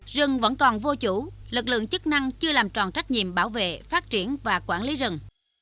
rừng vẫn còn vô chủ lực lượng chức năng chưa làm tròn trách nhiệm bảo vệ phát triển và quản lý rừng